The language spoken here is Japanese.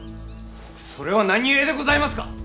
それは何故でございますか！